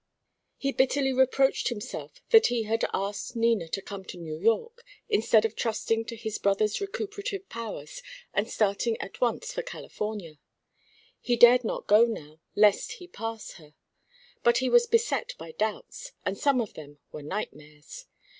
He bitterly reproached himself that he had asked Nina to come to New York, instead of trusting to his brother's recuperative powers, and starting at once for California. He dared not go now, lest he pass her. But he was beset by doubts, and some of them were nightmares.